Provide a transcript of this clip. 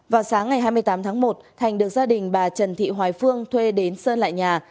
vào sáng ngày hai mươi tám tháng một thành được gia đình bà trần thị hoài phương thuê đến sơn lại nhà